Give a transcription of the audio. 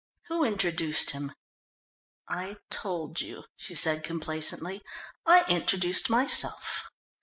Who introduced him?" "I told you," she said complacently. "I introduced myself.